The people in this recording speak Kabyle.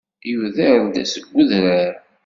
Yuder-d seg udrar.